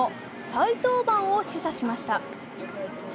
再登板を示唆しました。